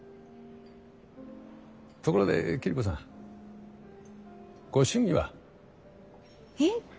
ところで桐子さんご趣味は？えっ？